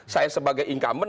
saya sebagai incumbent